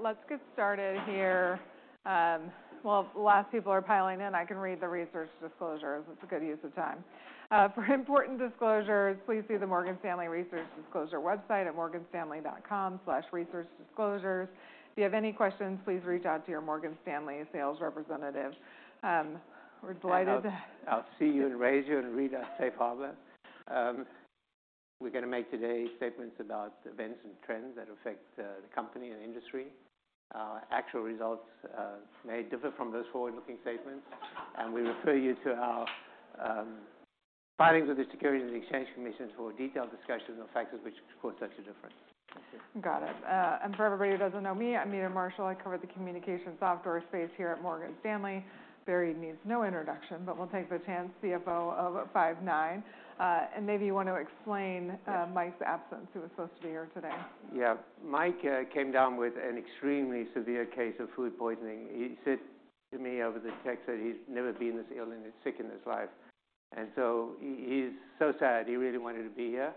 Let's get started here. While the last people are piling in, I can read the research disclosures. It's a good use of time. For important disclosures, please see the Morgan Stanley Research Disclosure website at morganstanley.com/research_disclosures. If you have any questions, please reach out to your Morgan Stanley sales representative. We're delighted. I'll see you and raise you and read our safe harbor. We're gonna make today statements about events and trends that affect the company and industry. Actual results may differ from those forward-looking statements. We refer you to our filings with the Securities and Exchange Commission for a detailed discussion of factors which could cause such a difference. Thank you. Got it. For everybody who doesn't know me, I'm Meta Marshall. I cover the communication software space here at Morgan Stanley. Barry needs no introduction, but we'll take the chance, CFO of Five9. Maybe you want to explain- Yeah Mike's absence, who was supposed to be here today. Yeah. Mike came down with an extremely severe case of food poisoning. He said to me over the text that he's never been this ill and as sick in his life. He's so sad. He really wanted to be here.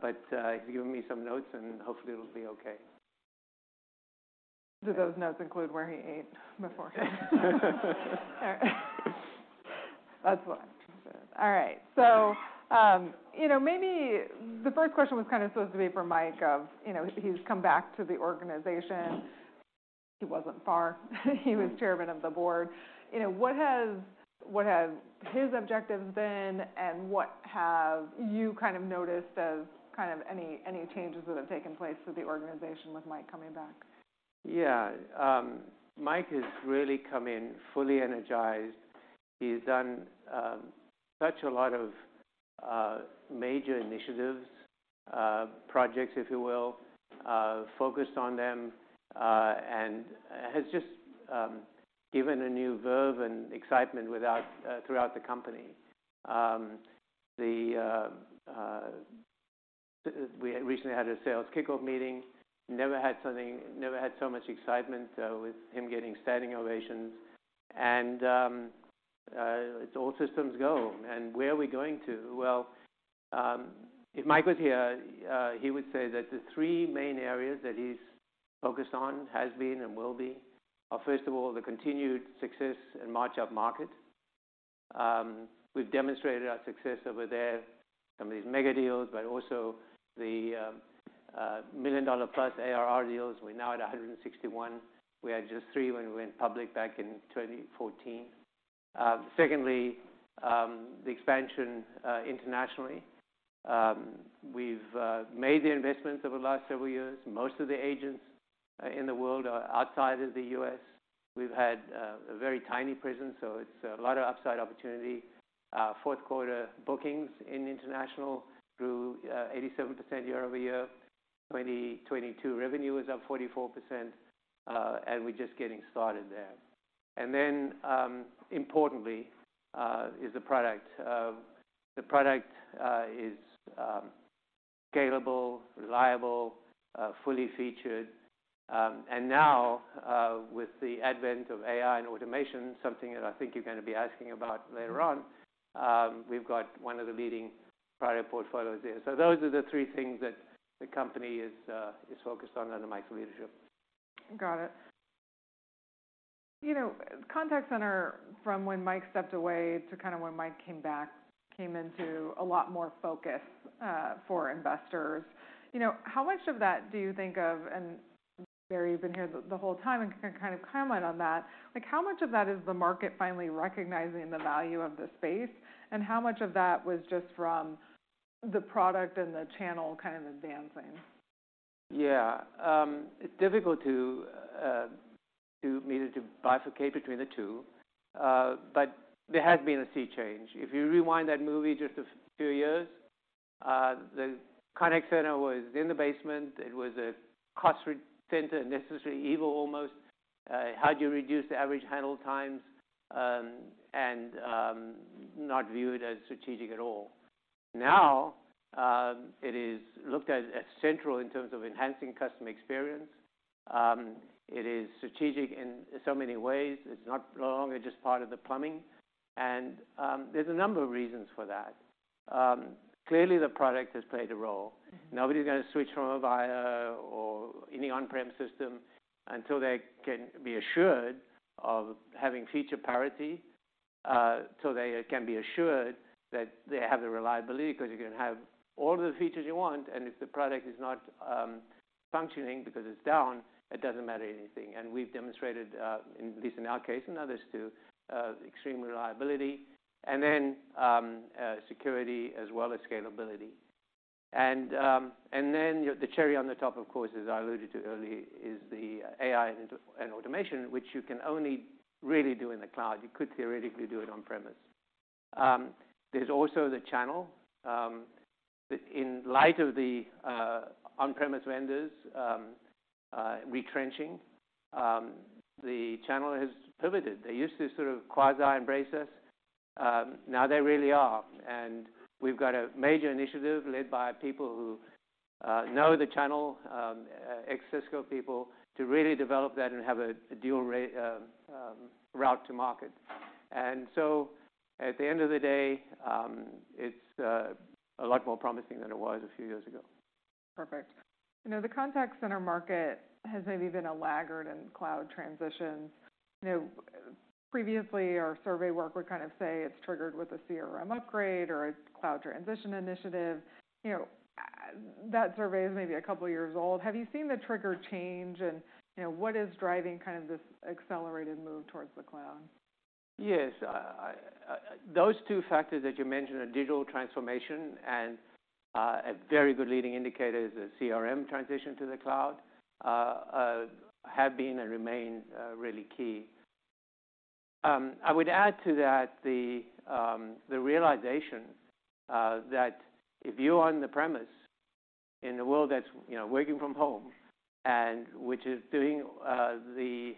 He's given me some notes, and hopefully it'll be okay. Do those notes include where he ate before? All right. That's what I'm interested in. All right. You know, maybe the first question was kind of supposed to be for Mike of, you know, he's come back to the organization. He wasn't far. He was chairman of the board. You know, what has his objectives been, and what have you kind of noticed as kind of any changes that have taken place with the organization with Mike coming back? Yeah. Mike has really come in fully energized. He's done such a lot of major initiatives, projects, if you will, focused on them, and has just given a new verve and excitement without throughout the company. The we recently had a sales kickoff meeting. Never had so much excitement with him getting standing ovations. It's all systems go. Where are we going to? Well, if Mike was here, he would say that the three main areas that he's focused on, has been, and will be, are, first of all, the continued success in up market. We've demonstrated our success over there, some of these mega deals, but also the $1 million-plus ARR deals. We're now at 161. We had three when we went public back in 2014. Secondly, the expansion internationally. We've made the investments over the last several years. Most of the agents in the world are outside of the US. We've had a very tiny presence. It's a lot of upside opportunity. Our fourth quarter bookings in international grew 87% year-over-year. 2022 revenue is up 44%. We're just getting started there. Importantly, is the product. The product is scalable, reliable, fully featured. Now, with the advent of AI and automation, something that I think you're gonna be asking about later on, we've got one of the leading product portfolios there. Those are the three things that the company is focused on under Mike's leadership. Got it. You know, contact center from when Mike stepped away to kind of when Mike came back, came into a lot more focus for investors. You know, how much of that do you think of, and Barry, you've been here the whole time and can kind of comment on that. Like, how much of that is the market finally recognizing the value of the space, and how much of that was just from the product and the channel kind of advancing? Yeah. It's difficult to to immediately bifurcate between the two, but there has been a sea change. If you rewind that movie just a few years, the contact center was in the basement. It was a cost center, a necessary evil almost. How do you reduce the average handle times, and not viewed as strategic at all. Now, it is looked at as central in terms of enhancing customer experience. It is strategic in so many ways. It's not no longer just part of the plumbing. There's a number of reasons for that. Clearly, the product has played a role. Nobody's gonna switch from Avaya or any on-prem system until they can be assured of having feature parity, so they can be assured that they have the reliability. Cause you can have all the features you want, and if the product is not functioning because it's down, it doesn't matter anything. We've demonstrated, at least in our case and others too, extreme reliability and then security as well as scalability. The cherry on the top, of course, as I alluded to earlier, is the AI and automation, which you can only really do in the cloud. You could theoretically do it on-premise. There's also the channel. In light of the on-premise vendors retrenching, the channel has pivoted. They used to sort of quasi embrace us. Now they really are. We've got a major initiative led by people who know the channel, ex-Cisco people, to really develop that and have a dual route to market. At the end of the day, it's a lot more promising than it was a few years ago. Perfect. You know, the contact center market has maybe been a laggard in cloud transition. You know, previously our survey work would kind of say it's triggered with a CRM upgrade or a cloud transition initiative. You know, that survey is maybe a couple of years old. Have you seen the trigger change and, you know, what is driving kind of this accelerated move towards the cloud? Yes. Those two factors that you mentioned, digital transformation and a very good leading indicator is the CRM transition to the cloud, have been and remain really key. I would add to that the realization that if you're on the premise in a world that's, you know, working from home and which is doing the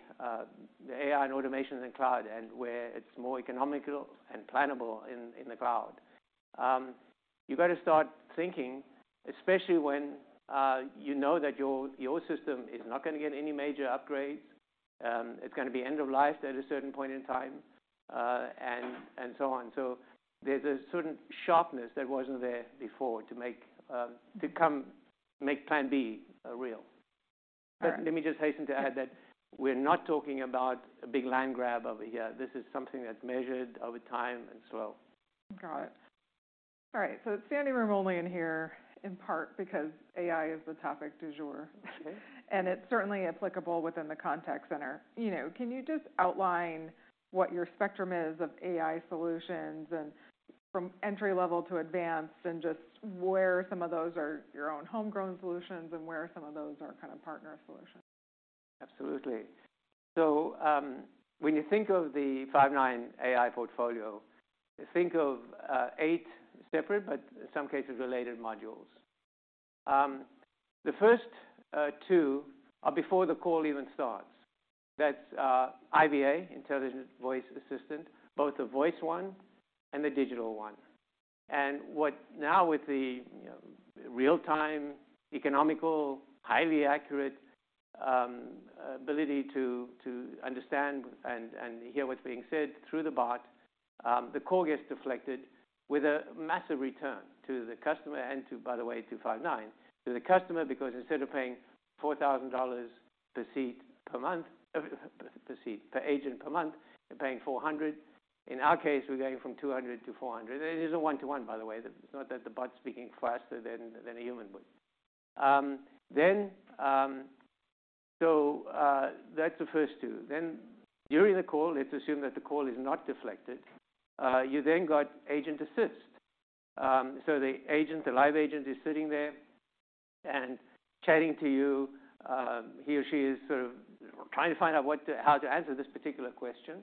AI and automation in the cloud and where it's more economical and plannable in the cloud, you better start thinking, especially when, you know that your system is not gonna get any major upgrades, it's gonna be end of life at a certain point in time, and so on. There's a certain sharpness that wasn't there before to make to come make plan B real. Sure. Let me just hasten to add that we're not talking about a big land grab over here. This is something that's measured over time and slow. Got it. All right. It's standing room only in here, in part because AI is the topic du jour. Okay. It's certainly applicable within the contact center. You know, can you just outline what your spectrum is of AI solutions and from entry-level to advanced and just where some of those are your own homegrown solutions and where some of those are kind of partner solutions? Absolutely. When you think of the Five9 AI portfolio, think of 8 separate but in some cases related modules. The first two are before the call even starts. That's IVA, intelligent voice assistant, both the voice one and the digital one. What now with the, you know, real-time economical, highly accurate, ability to understand and hear what's being said through the bot, the call gets deflected with a massive return to the customer and to, by the way, to Five9. To the customer, because instead of paying $4,000 per seat per month, per seat, per agent per month, they're paying $400. In our case, we're going from $200 to $400. It is a one-to-one, by the way. It's not that the bot's speaking faster than a human would. That's the first two. During the call, let's assume that the call is not deflected, you then got Agent Assist. The agent, the live agent is sitting there and chatting to you. He or she is sort of trying to find out how to answer this particular question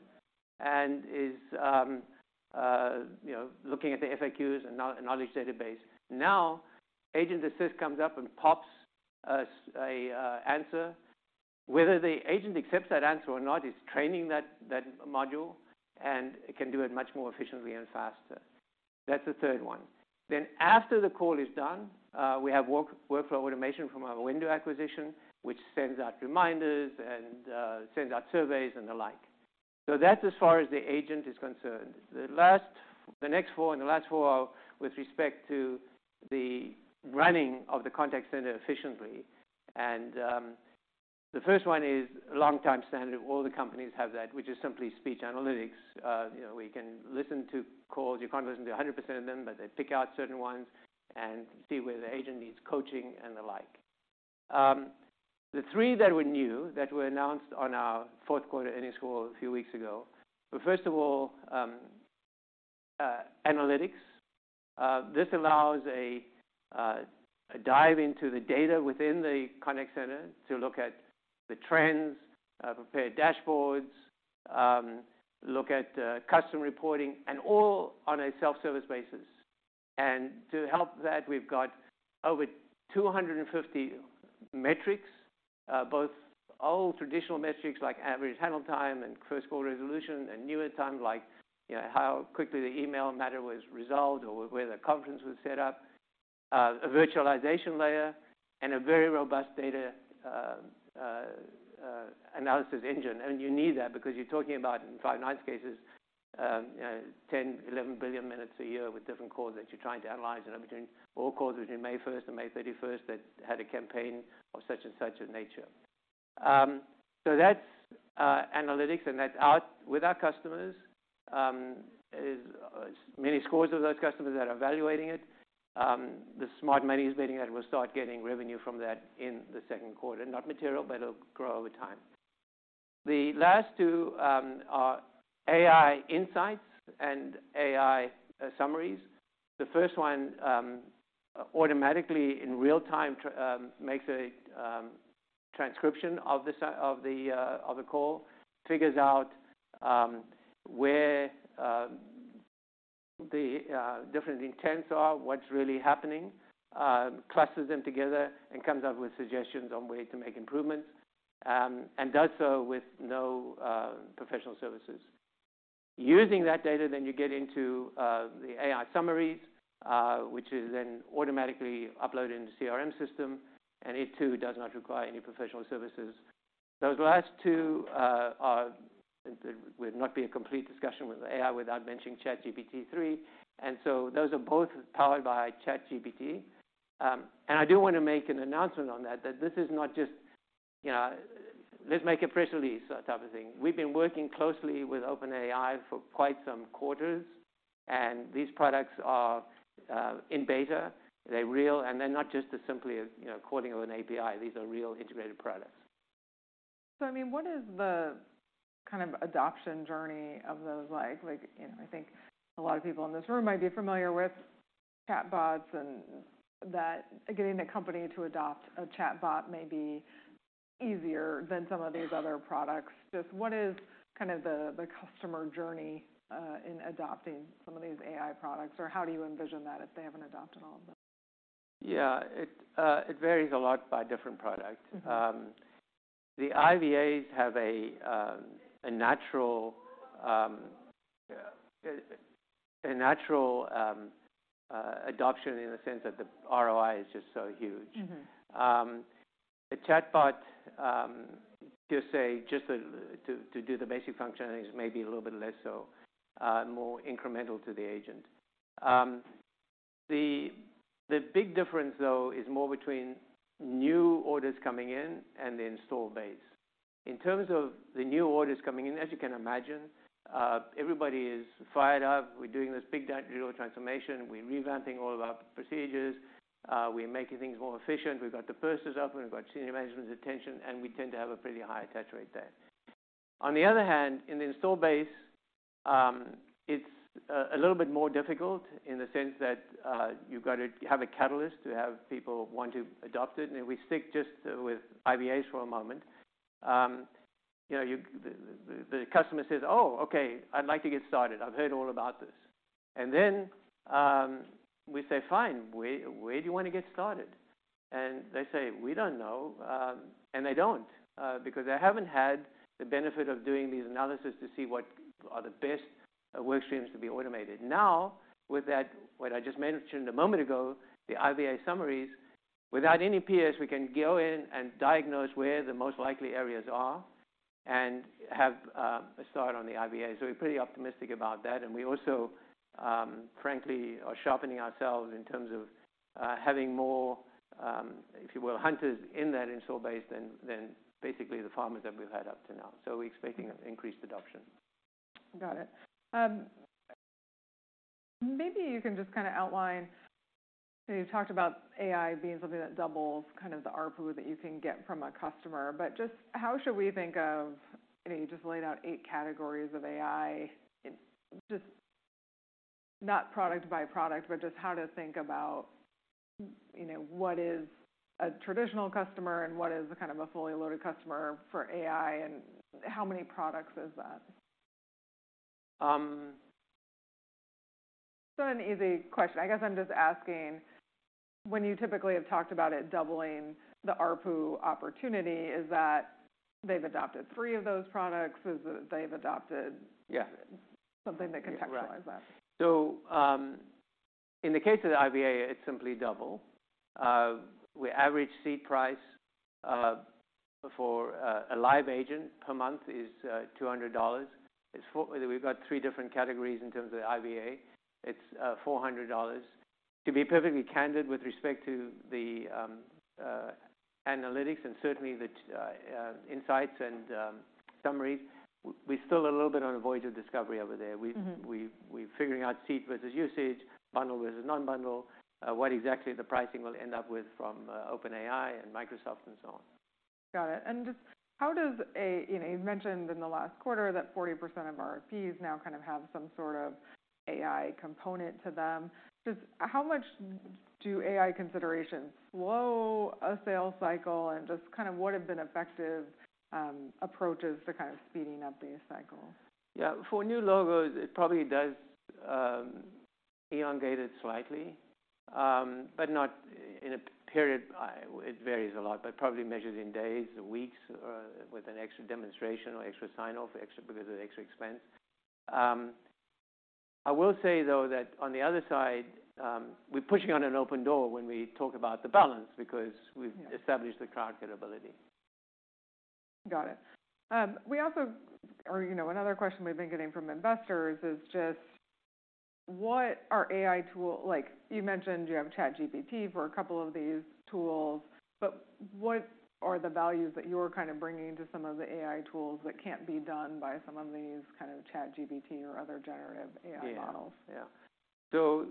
and is, you know, looking at the FAQs and knowledge database. Agent Assist comes up and pops a answer. Whether the agent accepts that answer or not, it's training that module, and it can do it much more efficiently and faster. That's the third one. After the call is done, we have Workflow Automation from our Window acquisition, which sends out reminders and sends out surveys and the like. That's as far as the agent is concerned. The last... The next 4 and the last 4 are with respect to the running of the contact center efficiently. The first one is a long time standard. All the companies have that, which is simply speech analytics. You know, we can listen to calls. You can't listen to 100% of them, but they pick out certain ones and see where the agent needs coaching and the like. The 3 that were new, that were announced on our fourth quarter earnings call a few weeks ago. First of all, Analytics. This allows a dive into the data within the contact center to look at the trends, prepare dashboards, look at custom reporting and all on a self-service basis. To help that, we've got over 250 metrics, both old traditional metrics like average handle time and first call resolution and newer times like, you know, how quickly the email matter was resolved or whether conference was set up, a virtualization layer and a very robust data, analysis engine. You need that because you're talking about in Five9's cases, 10billion, 11 billion minutes a year with different calls that you're trying to analyze in between all calls between May 1st and May 31st that had a campaign of such and such a nature. That's analytics, and that's out with our customers. Many scores of those customers that are evaluating it. The smart money is betting that we'll start getting revenue from that in the 2nd quarter. Not material, but it'll grow over time. The last two are AI Insights and AI Summaries. The first one automatically in real time makes a transcription of the call, figures out where the different intents are, what's really happening, clusters them together, and comes up with suggestions on ways to make improvements and does so with no professional services. Using that data, you get into the AI Summaries, which is then automatically uploaded into CRM system, and it too does not require any professional services. Those last two would not be a complete discussion with AI without mentioning ChatGPT-3. Those are both powered by ChatGPT. I do wanna make an announcement on that this is not just, you know, let's make a press release type of thing. We've been working closely with OpenAI for quite some quarters, and these products are in beta. They're real, and they're not just as simply as, you know, calling of an API. These are real integrated products. I mean, what is the kind of adoption journey of those like? Like, you know, I think a lot of people in this room might be familiar with chatbots and that getting a company to adopt a chatbot may be easier than some of these other products. Just what is kind of the customer journey, in adopting some of these AI products? Or how do you envision that if they haven't adopted all of them? Yeah. It varies a lot by different products. The IVAs have a natural adoption in the sense that the ROI is just so huge. The chatbot, just to do the basic functionalities may be a little bit less so, more incremental to the agent. The big difference, though, is more between new orders coming in and the install base. In terms of the new orders coming in, as you can imagine, everybody is fired up. We're doing this big digital transformation. We're revamping all of our procedures. We're making things more efficient. We've got the purses up. We've got senior management's attention, and we tend to have a pretty high attach rate there. On the other hand, in the install base, it's a little bit more difficult in the sense that you've got to have a catalyst to have people want to adopt it. If we stick just with IVAs for a moment, you know, the customer says, "Oh, okay, I'd like to get started. I've heard all about this." Then we say, "Fine. Where do you wanna get started?" They say, "We don't know." They don't because they haven't had the benefit of doing these analysis to see what are the best work streams to be automated. Now, with that, what I just mentioned a moment ago, the IVA summaries, without any peers, we can go in and diagnose where the most likely areas are and have a start on the IVA. We're pretty optimistic about that. We also, frankly, are sharpening ourselves in terms of having more, if you will, hunters in that install base than basically the farmers that we've had up to now. We're expecting increased adoption. Got it. Maybe you can just kinda outline... You've talked about AI being something that doubles kind of the ARPU that you can get from a customer. But just how should we think of, you know, you just laid out eight categories of AI. It's just not product by product, but just how to think about, you know, what is a traditional customer and what is kind of a fully loaded customer for AI, and how many products is that? It's not an easy question. I guess I'm just asking, when you typically have talked about it doubling the ARPU opportunity, is that they've adopted three of those products? Is it they've adopted? Yeah something that contextualize that? In the case of the IVA, it's simply double. We average seat price for a live agent per month is $200. We've got three different categories in terms of the IVA. It's $400. To be perfectly candid with respect to the Analytics and certainly the Insights and Summaries, we're still a little bit on a voyage of discovery over there. We've figuring out seat versus usage, bundle versus non-bundle, what exactly the pricing will end up with from OpenAI and Microsoft and so on. Got it. Just how does a, you know, you mentioned in the last quarter that 40% of RFPs now kind of have some sort of AI component to them. Just how much do AI considerations slow a sales cycle and just kind of what have been effective approaches to kind of speeding up these cycles? For new logos, it probably does elongate it slightly, not in a period. It varies a lot, but probably measured in days or weeks or with an extra demonstration or extra sign-off, extra because of extra expense. I will say, though, that on the other side, we're pushing on an open door when we talk about the balance because we've established the cloud capability. Got it. We also or, you know, another question we've been getting from investors is just what are AI tool-- Like, you mentioned you have ChatGPT for a couple of these tools, but what are the values that you're kind of bringing to some of the AI tools that can't be done by some of these kind of ChatGPT or other generative AI models? Yeah. Yeah.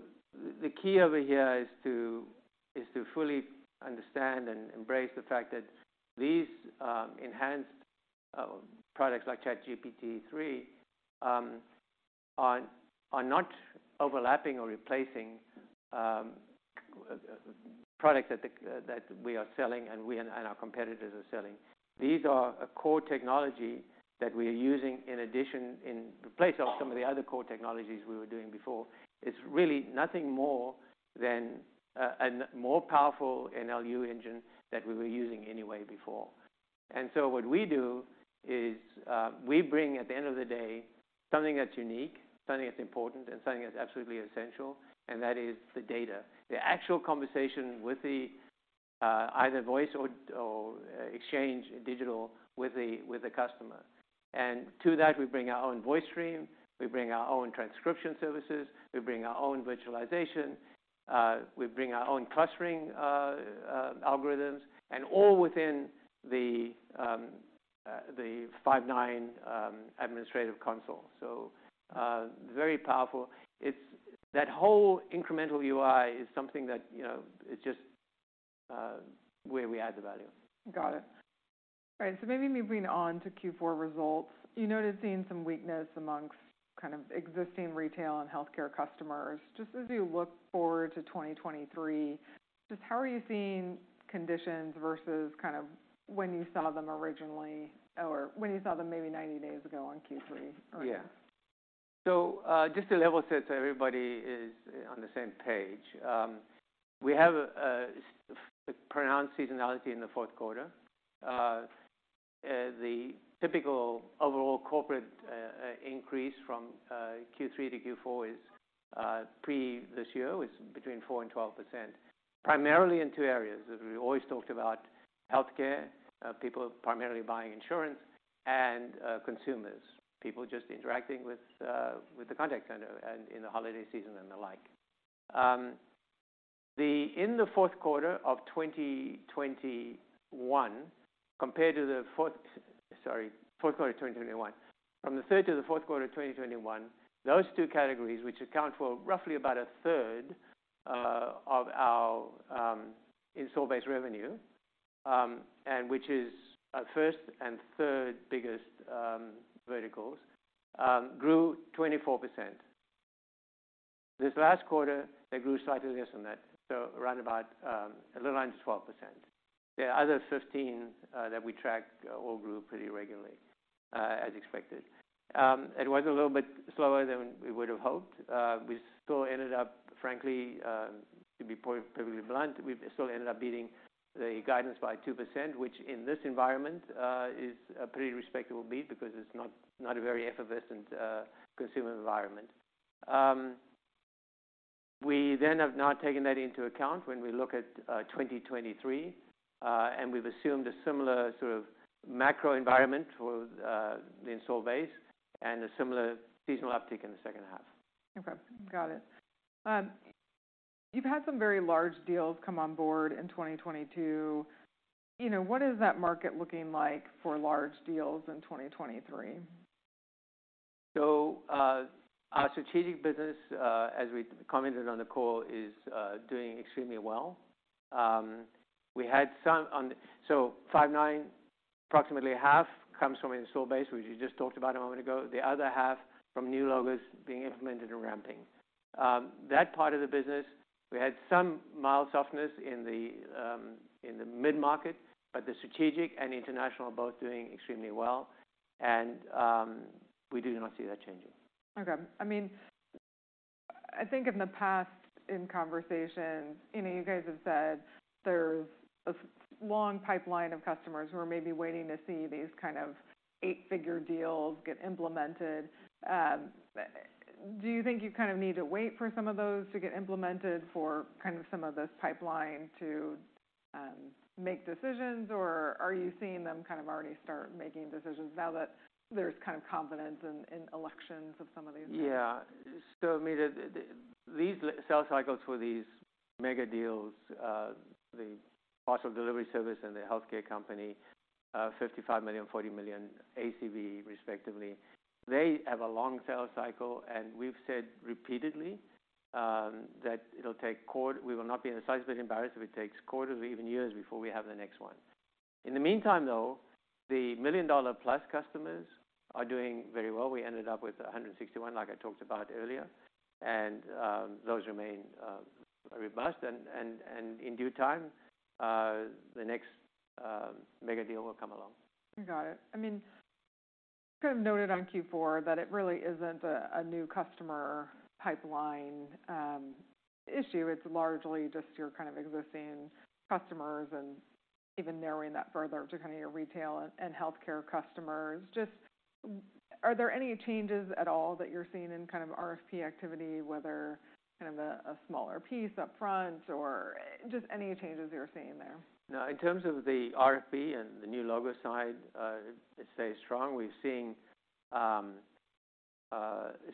The key over here is to, is to fully understand and embrace the fact that these enhanced products like GPT-3 are not overlapping or replacing products that we are selling and we and our competitors are selling. These are a core technology that we are using in replace of some of the other core technologies we were doing before. It's really nothing more than a more powerful NLU engine that we were using anyway before. What we bring at the end of the day, something that's unique, something that's important, and something that's absolutely essential, and that is the data. The actual conversation with the either voice or exchange digital with the customer. To that, we bring our own voice stream, we bring our own transcription services, we bring our own virtualization, we bring our own clustering algorithms, and all within the Five9 administrative console. Very powerful. It's that whole incremental UI is something that, you know, is just where we add the value. Got it. All right, maybe moving on to Q4 results. You noted seeing some weakness amongst kind of existing retail and healthcare customers. Just as you look forward to 2023, just how are you seeing conditions versus kind of when you saw them originally or when you saw them maybe 90 days ago on Q3 earlier? Just to level set so everybody is on the same page, we have a pronounced seasonality in the fourth quarter. The typical overall corporate increase from Q3 to Q4 is pre this year was between 4% and 12%, primarily in two areas. As we always talked about healthcare, people primarily buying insurance and consumers, people just interacting with the contact center and in the holiday season and the like. From the third to the fourth quarter of 2021, those two categories, which account for roughly about a third of our install base revenue, and which is our first and third biggest verticals, grew 24%. This last quarter, they grew slightly less than that, so around about 11%-12%. The other 15 that we tracked all grew pretty regularly as expected. It was a little bit slower than we would have hoped. We still ended up, frankly, to be perfectly blunt, we still ended up beating the guidance by 2%, which in this environment is a pretty respectable beat because it's not a very effervescent consumer environment. We then have not taken that into account when we look at 2023, and we've assumed a similar sort of macro environment for the install base and a similar seasonal uptick in the H2. Okay, got it. You've had some very large deals come on board in 2022. You know, what is that market looking like for large deals in 2023? Our strategic business, as we commented on the call, is doing extremely well. Five9, approximately half comes from install base, which we just talked about a moment ago, the other half from new logos being implemented and ramping. That part of the business, we had some mild softness in the mid-market, but the strategic and international are both doing extremely well. We do not see that changing. Okay. I mean, I think in the past in conversations, you know, you guys have said there's a long pipeline of customers who are maybe waiting to see these kind of 8-figure deals get implemented. Do you think you kind of need to wait for some of those to get implemented for kind of some of this pipeline to make decisions? Are you seeing them kind of already start making decisions now that there's kind of confidence in elections of some of these things? Yeah. I mean, these sales cycles for these mega deals, the parcel delivery service and the healthcare company, $55 million, $40 million ACV respectively, they have a long sales cycle, and we've said repeatedly we will not be in the slightest bit embarrassed if it takes quarters or even years before we have the next one. In the meantime, though, the million-dollar-plus customers are doing very well. We ended up with 161, like I talked about earlier, those remain robust. In due time, the next mega deal will come along. Got it. I mean, kind of noted on Q4 that it really isn't a new customer pipeline issue. It's largely just your kind of existing customers and even narrowing that further to kind of your retail and healthcare customers. Just are there any changes at all that you're seeing in kind of RFP activity, whether kind of a smaller piece upfront or just any changes you're seeing there? No. In terms of the RFP and the new logo side, it stays strong. We're seeing,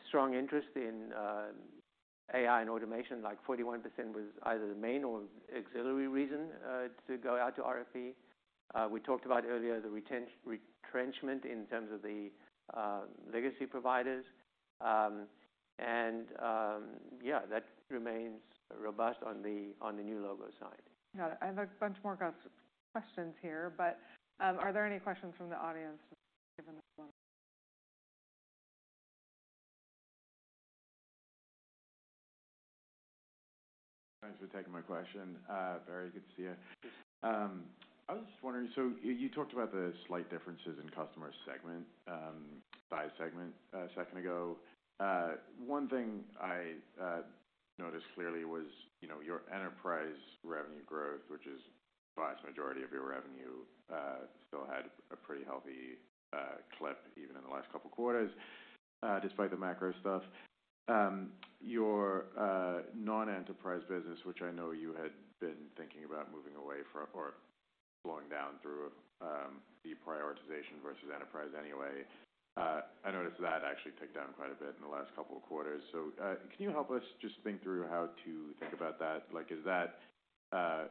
strong interest in AI and automation, like 41% was either the main or auxiliary reason, to go out to RFP. We talked about earlier the retrenchment in terms of the legacy providers. Yeah, that remains robust on the new logo side. Got it. I have a bunch more questions here. Are there any questions from the audience? Thanks for taking my question. Very good to see you. Yes. I was just wondering, you talked about the slight differences in customer seg- by segment a second ago. One thing I noticed clearly was, you know, your enterprise revenue growth, which is the vast majority of your revenue, still had a pretty healthy clip even in the last couple of quarters, despite the macro stuff. Your non-enterprise business, which I know you had been thinking about moving away from or slowing down through deprioritization versus enterprise anyway. I noticed that actually ticked down quite a bit in the last couple of quarters. Can you help us just think through how to think about that? Like, is that a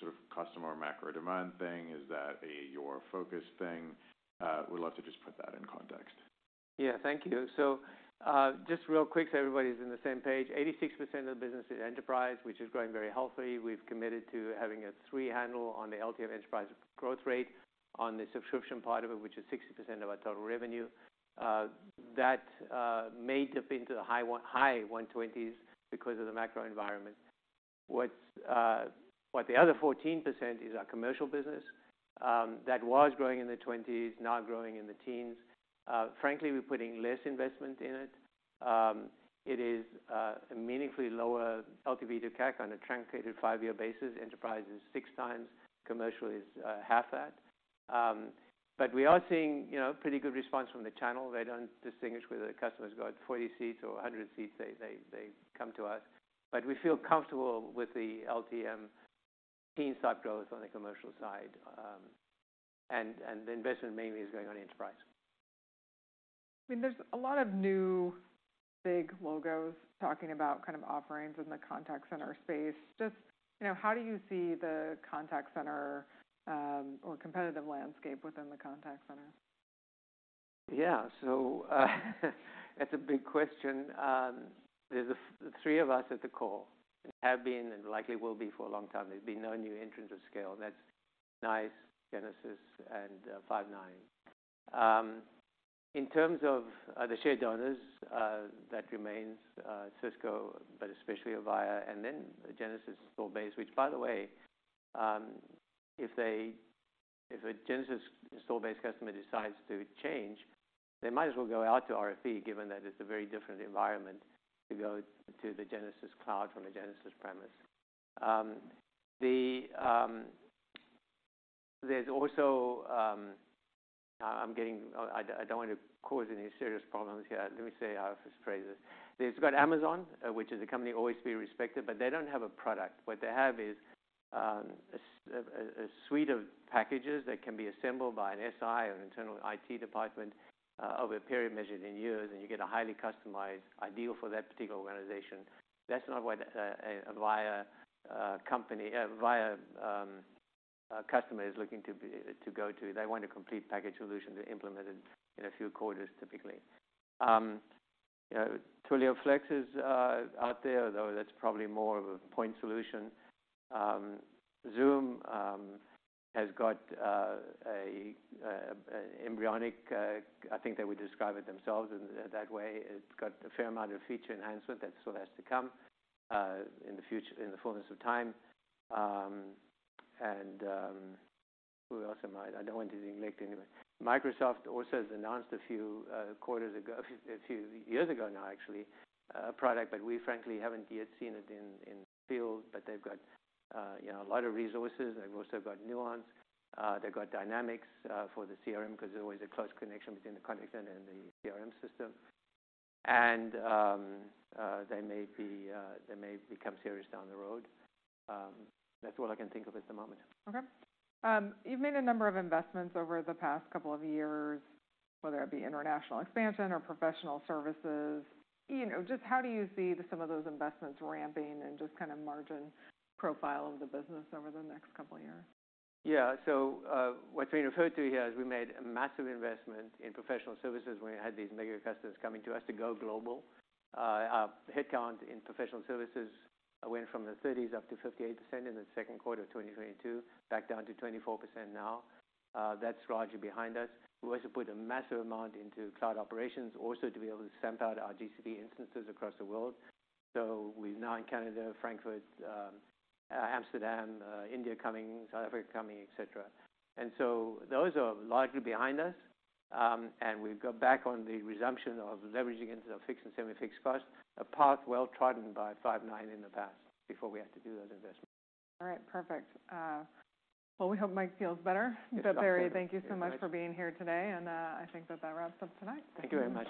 sort of customer macro demand thing? Is that a your focus thing? Would love to just put that in context. Yeah. Thank you. Just real quick, so everybody's on the same page. 86% of the business is enterprise, which is growing very healthy. We've committed to having a 3 handle on the LTM enterprise growth rate on the subscription part of it, which is 60% of our total revenue. That may dip into the high one-twenties because of the macro environment. The other 14% is our commercial business that was growing in the 20s, now growing in the teens. Frankly, we're putting less investment in it. It is a meaningfully lower LTV to CAC on a truncated 5-year basis. Enterprise is 6 times, commercial is half that. We are seeing, you know, pretty good response from the channel. They don't distinguish whether the customer's got 40 seats or 100 seats. They come to us. We feel comfortable with the LTM teen stock growth on the commercial side, and the investment mainly is going on enterprise. I mean, there's a lot of new big logos talking about kind of offerings in the contact center space. Just, you know, how do you see the contact center, or competitive landscape within the contact center? Yeah. That's a big question. There's the three of us at the core and have been, and likely will be for a long time. There's been no new entrants of scale, and that's nice. Genesys and Five9. In terms of the shared owners, that remains Cisco, but especially Avaya, and then Genesys install base. By the way, if a Genesys install-based customer decides to change, they might as well go out to RFP, given that it's a very different environment to go to the Genesys cloud from a Genesys premise. There's also... I don't want to cause any serious problems here. Let me see how to phrase this. There's got Amazon, which is a company always to be respected, but they don't have a product. What they have is a suite of packages that can be assembled by an SI or internal IT department over a period measured in years, and you get a highly customized ideal for that particular organization. That's not what a Avaya customer is looking to go to. They want a complete package solution to implement it in a few quarters, typically. You know, Twilio Flex is out there, though that's probably more of a point solution. Zoom has got a embryonic, I think they would describe it themselves in that way. It's got a fair amount of feature enhancement that still has to come in the fullness of time. Who else am I... I don't want to neglect anybody. Microsoft also has announced a few quarters ago, a few years ago now, actually, a product that we frankly haven't yet seen it in the field, but they've got, you know, a lot of resources. They've also got Nuance. They've got Dynamics for the CRM because there's always a close connection between the contact center and the CRM system. They may be they may become serious down the road. That's all I can think of at the moment. Okay. You've made a number of investments over the past couple of years, whether it be international expansion or professional services. You know, just how do you see some of those investments ramping and just kind of margin profile of the business over the next couple of years? Yeah. What's being referred to here is we made a massive investment in professional services when we had these mega customers coming to us to go global. Our headcount in professional services went from the 30s up to 58% in the second quarter of 2022, back down to 24% now. That's largely behind us. We also put a massive amount into cloud operations also to be able to stamp out our GCP instances across the world. We're now in Canada, Frankfurt, Amsterdam, India coming, South Africa coming, et cetera. Those are largely behind us, and we've got back on the resumption of leveraging into the fixed and semi-fixed costs, a path well-trodden by Five9 in the past before we had to do those investments. All right. Perfect. Well, we hope Mike feels better. Yes. Barry, thank you so much for being here today. I think that that wraps up tonight. Thank you very much.